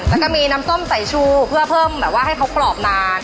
แล้วก็มีน้ำส้มใส่ชูเพื่อเพิ่มแบบว่าให้เขากรอบนาน